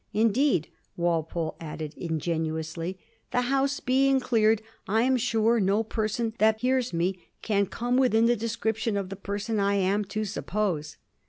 Indeed," Walpole added, ingenuously, '^ the House being cleared, I am sure no per son that hears me can come within the description of the person I am to suppose."